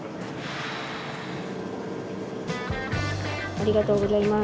ありがとうございます。